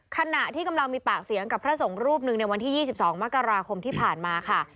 ขณะที่กำลังมีปากเสียงกับพระสงฆ์รูปหนึ่งในวันที่๒๒มกราคมที่ผ่านมาค่ะ